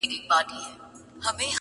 یو چا سپی ښخ کړئ دئ په هدیره کي,